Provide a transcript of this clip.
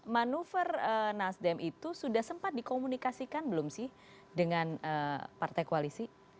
manuver nasdem itu sudah sempat dikomunikasikan belum sih dengan partai koalisi